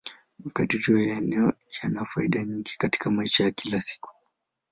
Makadirio ya eneo yana faida nyingi katika maisha ya kila siku.